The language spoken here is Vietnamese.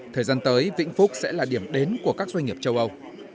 thời gian tới vĩnh phúc sẽ là điểm đến của các doanh nghiệp châu âu